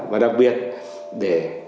và đặc biệt để